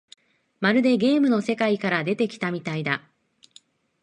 まるでゲームの世界から出てきたみたいだ